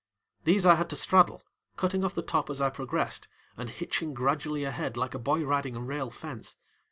These I had to straddle, cutting off the top as I progressed and hitching gradually ahead like a boy riding a rail fence.